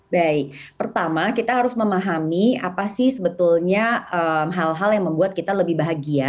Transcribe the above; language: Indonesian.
baik pertama kita harus memahami apa sih sebetulnya hal hal yang membuat kita lebih bahagia